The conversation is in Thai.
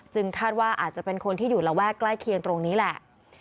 คาดว่าอาจจะเป็นคนที่อยู่ระแวกใกล้เคียงตรงนี้แหละ